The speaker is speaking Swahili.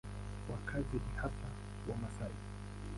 Wakazi ni hasa Wamasai.